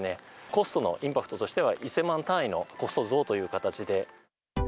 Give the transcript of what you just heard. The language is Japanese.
コストのインパクトとしては、１０００万単位のコスト増という形で。